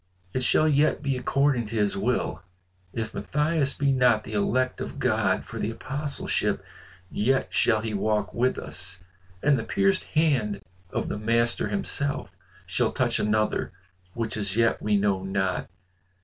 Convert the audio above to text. "It shall yet be according to his will. If Matthias be not the elect of God for the Apostleship, yet shall he walk with us, and the pierced hand of the Master himself shall touch another which as yet we know not.